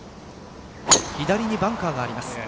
左にバンカーがあります。